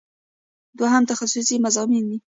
دوهم تخصصي مضامین دي.